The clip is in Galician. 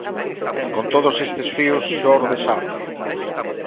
Con todos estes fíos, xorde Sándalo.